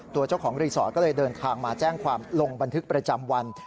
ตัวเจ้าของรีสอร์ทก็เลยเดินทางมาแจ้งความลงบันทึกประจำวัน